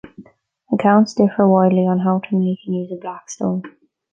Accounts differ widely on how to make and use a 'black stone'.